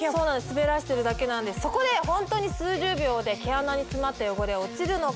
滑らせてるだけなんでそこでホントに数十秒で毛穴に詰まった汚れは落ちるのか？